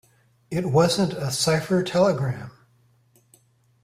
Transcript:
It wasn't a cipher telegram.